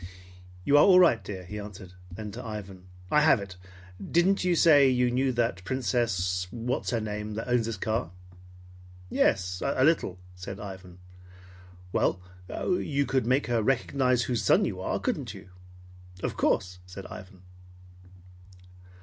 "You are all right, dear," he answered. Then to Ivan: "I have it. Didn't you say you knew that Princess what is her name that owns this car?" "Yes, a little," said Ivan. "Well, you could make her recognize whose son you are, couldn't you?" "Of course!" said Ivan.